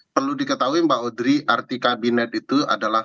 perlu diketahui mbak odri arti kabinet itu adalah